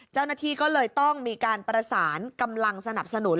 เจ้าหน้าที่ก็เลยต้องมีการประสานกำลังสนับสนุน